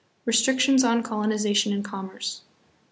Restrictions on Colonization and Commerce.